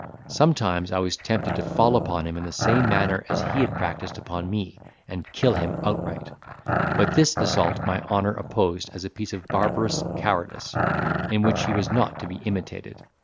Sometimes I was tempted to fall upon him in the same manner as he had practised upon me, and kill him outright. But this assault my honour opposed as a piece of barbarous cowardice, in which he was not to be imitated.